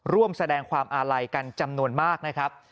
ร่วมแสดงความอาลัยกันจำนวนมากนะครับ